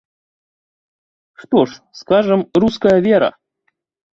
Што ж, скажам, руская вера!